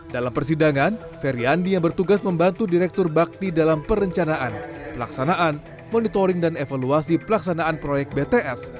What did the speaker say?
dalam persidangan feryandi yang bertugas membantu direktur bakti dalam perencanaan pelaksanaan monitoring dan evaluasi pelaksanaan proyek bts